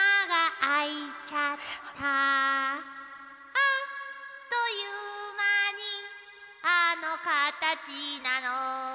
「あっという間にあのカタチなの」